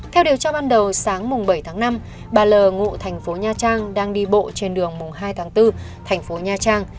theo điều tra ban đầu sáng bảy tháng năm bà l ngụ thành phố nha trang đang đi bộ trên đường hai tháng bốn